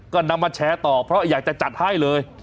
ก็นำมาแชร์ต่อเพราะอยากจะจัดให้เลย